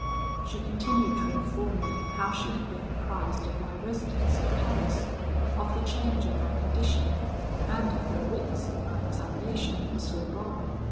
"She continued to inform me how she had been apprised of my residence at Paris, of the change in my condition, and of her witnessing my examination at the Sorbonne.